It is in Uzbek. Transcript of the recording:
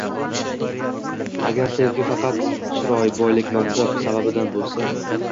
Agar sevgi faqat chiroy, boylik, mansab sababidan bo‘lsa